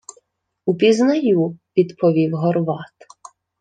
— Упізнаю, — відповів Горват.